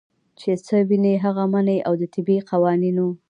چې څۀ ويني هغه مني او د طبعي قوانینو